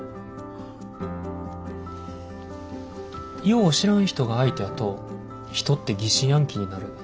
よう知らん人が相手やと人って疑心暗鬼になる。